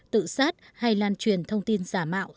tự sát hay lan truyền thông tin giả mạo